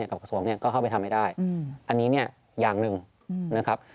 กับกระทรวงก็เข้าไปทำไม่ได้อันนี้อย่างหนึ่งนะครับ